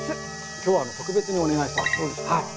今日は特別にお願いしてます。